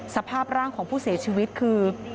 สภาพร่างของผู้เสียชีวิตคือ